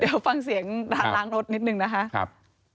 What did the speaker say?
เดี๋ยวฟังเสียงร้านล้างรถนิดนึงนะคะ